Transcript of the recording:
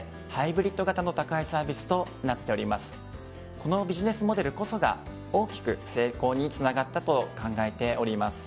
このビジネスモデルこそが大きく成功につながったと考えております。